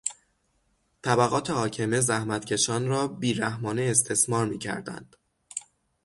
طبقات حاکمه زحمتکشان را بی رحمانه استثمار میکردند.